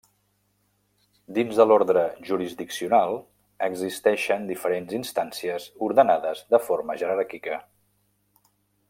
Dins de l'ordre jurisdiccional existeixen diferents instàncies ordenades de forma jeràrquica.